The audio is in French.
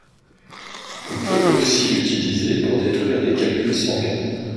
On peut aussi l'utiliser pour détruire des calculs sanguins.